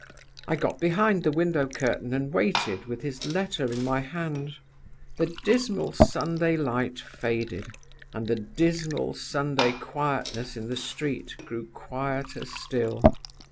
I got behind the window curtain, and waited with his letter in my hand. "The dismal Sunday light faded, and the dismal Sunday quietness in the street grew quieter still.